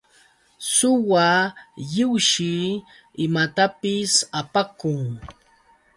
Suwa lliwshi imatapis apakun.